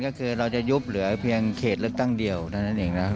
ก็คือเราจะยุบเหลือเพียงเขตเลือกตั้งเดียวเท่านั้นเองนะครับ